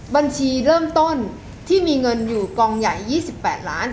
บัญชีเริ่มต้นที่มีเงินอยู่กองใหญ่๒๘ล้าน